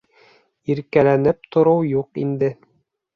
Иркәләнеп тороу юҡ инде.